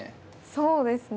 そうですね。